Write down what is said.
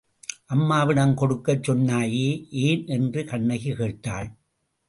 அம்மாவிடம் கொடுக்கச் சொன்னாயே, ஏன்? என்று கண்ணகி கேட்டாள்.